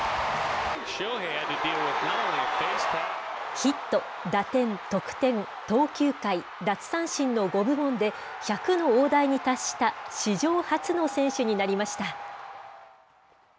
ヒット、打点、得点、投球回、奪三振の５部門で、１００の大台に達した史上初の選手になりました。